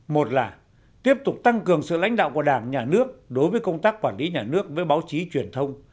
một là tiếp tục tăng cường sự lãnh đạo của đảng nhà nước đối với công tác quản lý nhà nước với báo chí truyền thông